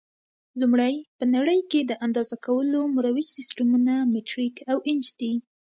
لومړی: په نړۍ کې د اندازه کولو مروج سیسټمونه مټریک او انچ دي.